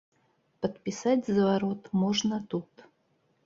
Падпісаць зварот можна тут.